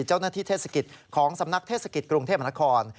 เจ้าหน้าที่เทศกิจของสำนักเทศกิจกรุงเทพมหานคร